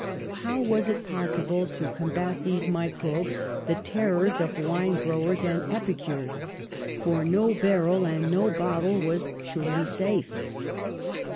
How was it possible to combat these mi 80 PASTEUR crobes, the terrors of wine growers and epicures, for no barrel and no bottle was surely safe?